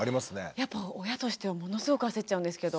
やっぱ親としてはものすごく焦っちゃうんですけど。